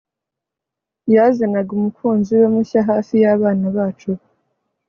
Yazanaga umukunzi we mushya hafi yabana bacu